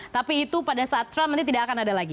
tapi itu pada saat trump nanti tidak akan ada lagi